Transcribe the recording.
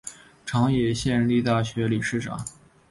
长野县立大学理事长。